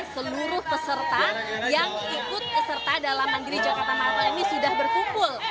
sejak pukul lima pagi tadi seluruh peserta yang ikut keserta dalam bandiri jakarta marathon ini sudah berkumpul